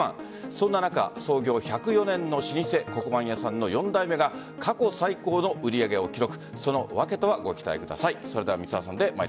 そんな中創業１０４年の老舗黒板屋さんの４代目が過去最高の売り上げを記録。